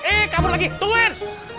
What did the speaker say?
eh kabur lagi tungguin